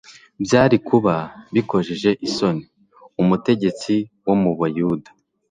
Byari kuba bikojeje isoni umutegetsi wo mu Bayuda